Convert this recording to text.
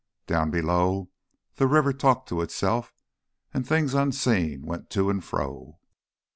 Down below, the river talked to itself, and things unseen went to and fro.